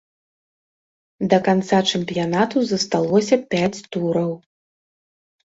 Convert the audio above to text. Да канца чэмпіянату засталося пяць тураў.